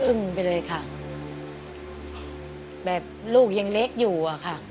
ไปเลยค่ะแบบลูกยังเล็กอยู่อะค่ะ